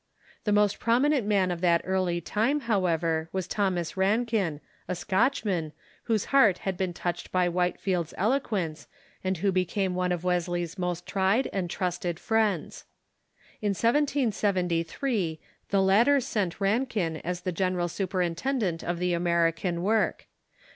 The most prominent man of that early time, hoAvever, Avas Thomas Rankin, a Scotchman, Avhose heart had been touched by White field's eloquence, and Avho became one of Wesley's most tried and trusted friends. In 1773 the latter sent Rankin as the general superintendent of the American Avork.